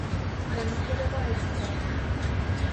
Нам не падабаецца так.